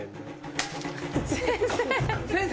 先生！